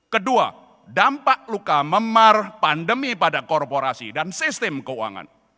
kedua dampak luka memar pandemi pada korporasi dan sistem keuangan